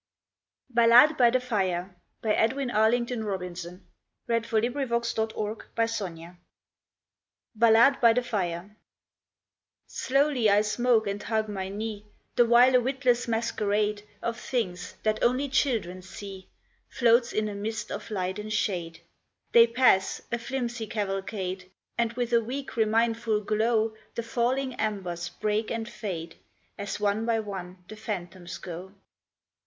hudder and steel still slay, Where the bones of the brave in the wave are lying? Ballade by the Fire Slowly I smoke and hug my knee, The while a witless masquerade Of things that only children see Floats in a mist of light and shade: They pass, a flimsy cavalcade, And with a weak, remindful glow, The falling embers break and fade, As one by one the phantoms go.